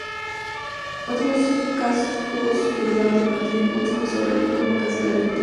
Otros cascos turbante contienen consejos sobre cómo alcanzar la virtud.